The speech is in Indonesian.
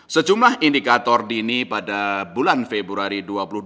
sejumlah indikator dini pada bulan februari dua ribu dua puluh